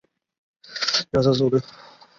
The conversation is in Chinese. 霍纳迪制造公司和手装器具出名。